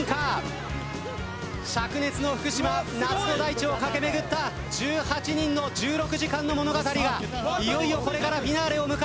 灼熱の福島夏の大地を駆け巡った１８人の１６時間の物語がいよいよこれからフィナーレを迎えようとしている。